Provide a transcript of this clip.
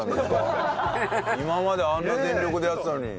今まであんな全力でやってたのに。